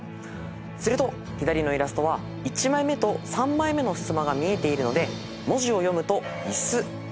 すると左のイラストは１枚目と３枚目のふすまが見えているので文字を読むと。